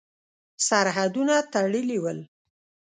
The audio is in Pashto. سرحدونه تړلي ول.